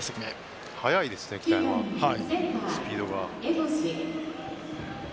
速いですね、北山スピードが。